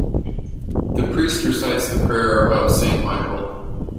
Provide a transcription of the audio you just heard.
The priest recites the prayer of Saint Michael.